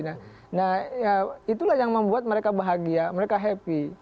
nah itulah yang membuat mereka bahagia mereka happy